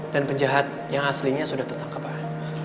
dan penjahat yang aslinya sudah tertangkap pak